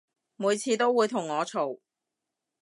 每次都會同我嘈